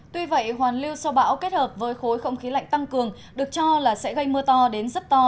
tuy vậy hoàn lưu sau bão kết hợp với khối không khí lạnh tăng cường được cho là sẽ gây mưa to đến rất to